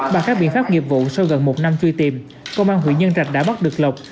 bà khác biện pháp nghiệp vụ sau gần một năm truy tìm công an huyện nhân trạch đã bắt được lộc